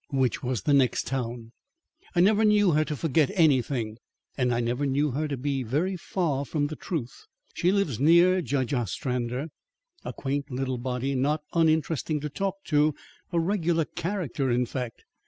(The next town.) "I never knew her to forget anything; and I never knew her to be very far from the truth. She lives near Judge Ostrander a quaint little body, not uninteresting to talk to; a regular character, in fact.